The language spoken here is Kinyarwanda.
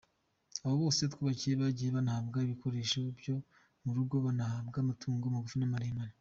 Abo bose twubakiye bagiye banahabwa ibikoresho byo mu rugo banahabwa amatungo magufi n’amaremare”.